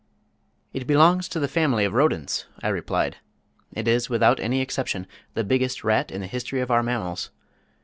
"It belongs to the family of Rodents," I replied. "It is without any exception the biggest rat in the history of our mammals.